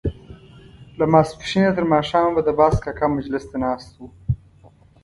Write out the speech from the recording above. له ماسپښينه تر ماښامه به د باز کاکا مجلس ته ناست وو.